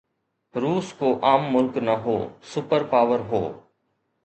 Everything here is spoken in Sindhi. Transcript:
روس ڪو عام ملڪ نه هو، سپر پاور هو.